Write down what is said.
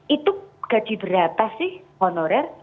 itu gaji berapa sih honorer